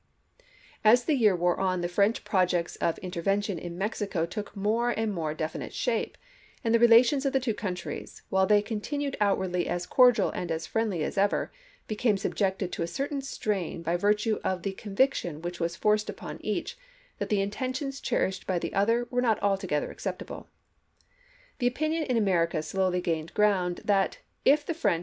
1862. As the year wore on the French projects of in tervention in Mexico took more and more definite shape, and the relations of the two countries, while they continued outwardly as cordial and as friendly as ever, became subjected to a certain strain by virtue of the conviction which was forced upon each that the intentions cherished by the other were not altogether acceptable. The opinion in DIPLOMACY OF 1862 63 America slowly gained ground that, if the French chap. hi.